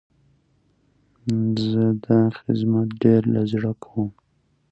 نو د علم او پوهي ماڼۍ به بې کاره او بې خونده وي.